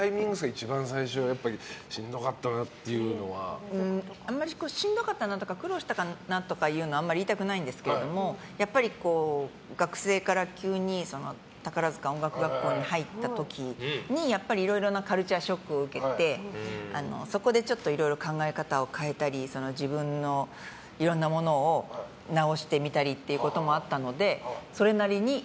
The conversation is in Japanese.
一番最初しんどかったなとか苦労したかなとかはあんまり言いたくないんですけどやっぱり、学生から急に宝塚音楽学校に入った時にやっぱり、いろいろなカルチャーショックを受けてそこで、ちょっといろいろ考え方を変えたり自分のいろんなものを直してみたりということもあったのでそれなりに。